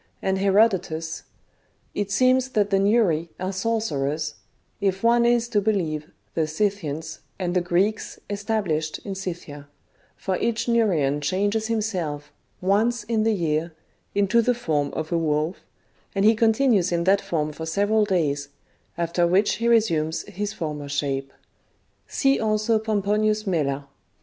And Herodotus :—It seems that the Neuri are sor cerers, if one is to believe the Scythians and the Greeks established in Scythia ; for each Neurian changes himself, once in the year, into the form of a wolf, and he continues in that form for several days, after which he resumes his former shape." — (Lib. iv. c. 105.) See also Pomponius Mela (lib.